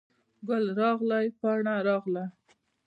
ګل راغلی، ګل پاڼه راغله